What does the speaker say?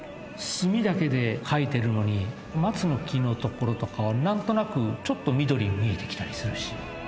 墨だけで描いてるのに松の木の所とかは何となくちょっと緑に見えてきたりするし。